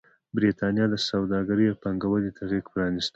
برېټانیا سوداګرۍ او پانګونې ته غېږ پرانېسته.